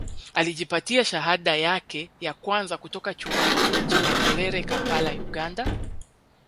Alijipatia shahada yake ya kwanza kutoka Chuo Kikuu cha Makerere Kampala Uganda